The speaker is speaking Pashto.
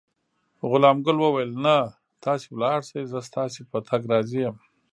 غلام ګل وویل: نه، تاسې ولاړ شئ، زه ستاسي په تګ راضي یم.